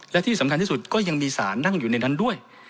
และที่สำคัญที่สุดก็ยังมีสารนั่งอยู่ในนั้นด้วย